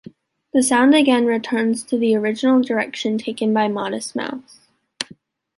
The sound again returns to the original direction taken by “Modest Mouse”.